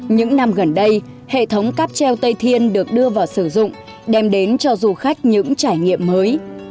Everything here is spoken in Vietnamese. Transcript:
những năm gần đây hệ thống cáp treo tây thiên được đưa vào sử dụng đem đến cho du khách những trải nghiệm mới